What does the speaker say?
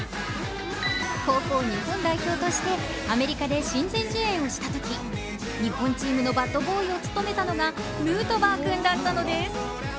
高校日本代表としてアメリカで親善試合をしたとき、日本チームのバットボーイを務めたのがヌートバー君だったのです。